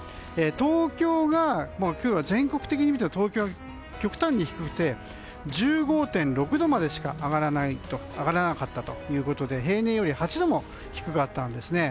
東京が今日は全国的に見ても極端に低くて１５．６度までしか上がらなかったということで平年より８度も低かったんですね。